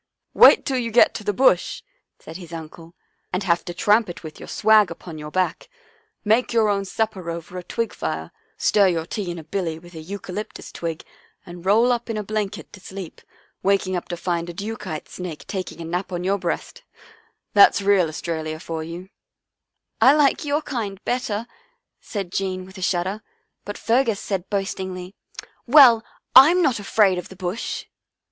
" Wait till you get to the Bush," said his uncle. " And have to tramp it with your swag * 1 Name given to the pack carried on the back. 38 Our Little Australian Cousin upon your back, make your own supper over a twig fire, stir your tea in a billy 1 with a euca lyptus twig, and roll up in a blanket to sleep, waking up to find a dukite snake taking a nap on your breast, — that's real Australia for you." u I like your kind better," said Jean with a shudder, but Fergus said boastingly, " Well, I'm not afraid of the Bush."